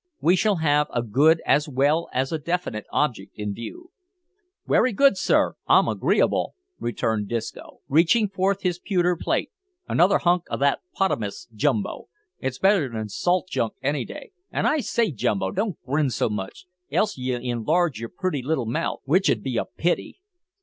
We shall have a good as well as a definite object in view." "Wery good, sir; I'm agreeable," returned Disco, reaching forth his pewter plate; "another hunk o' that pottimus, Jumbo; it's better than salt junk any day; and I say, Jumbo, don't grin so much, else ye'll enlarge yer pretty little mouth, which 'ud be a pity."